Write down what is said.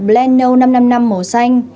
blend no năm trăm năm mươi năm màu xanh